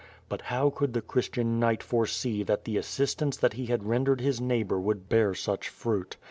But how could the Christian knight foresee that the assistance that he had rendered his neighbor v/ould bear such fruit.